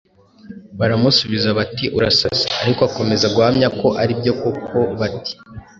Baramusubiza bati “Urasaze!” Ariko akomeza guhamya ko ari byo koko bati: “